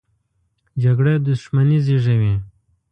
جګړه دښمني زېږوي